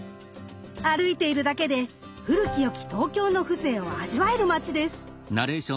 歩いているだけで古き良き東京の風情を味わえる街です。